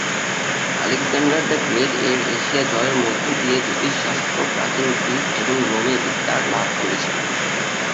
Alexander the great এর Asia জয়ের মধ্য দিয়ে জ্যোতিষশাস্ত্র প্রাচীন গ্রিস এবং রোমে বিস্তার লাভ করেছিল।